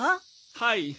はい。